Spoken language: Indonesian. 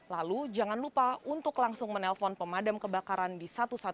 lalu jangan lupa untuk langsung menelpon pemadam kebakaran di satu ratus dua belas